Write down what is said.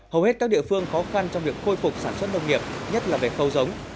hầu hết các địa phương khó khăn trong việc khôi phục sản xuất nông nghiệp nhất là về khâu giống